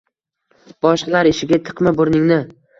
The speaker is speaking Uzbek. “Boshqalar ishiga tiqma burningni